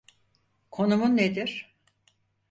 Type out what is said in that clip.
Konumun nedir?